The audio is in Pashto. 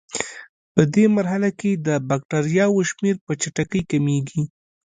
پدې مرحله کې د بکټریاوو شمېر په چټکۍ کمیږي.